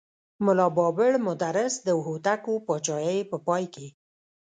ملا بابړ مدرس د هوتکو پاچاهۍ په پای کې.